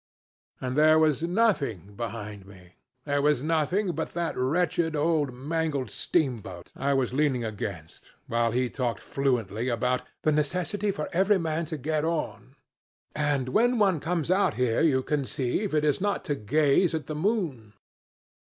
And there was nothing behind me! There was nothing but that wretched, old, mangled steamboat I was leaning against, while he talked fluently about 'the necessity for every man to get on.' 'And when one comes out here, you conceive, it is not to gaze at the moon.'